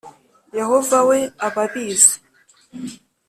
Yehova we aba abizi